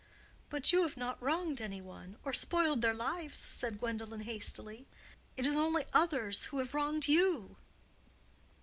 "But you have not wronged any one, or spoiled their lives," said Gwendolen, hastily. "It is only others who have wronged you."